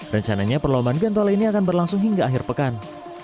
rencananya perlombaan gantole ini akan berlangsung hingga akhir pekan